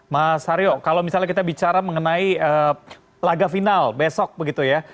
mas aryo kalau misalnya kita bicara mengenai laga final besok begitu ya